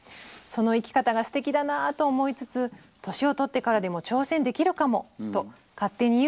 その生き方がすてきだなと思いつつ年をとってからでも挑戦できるかもと勝手に勇気を頂きました。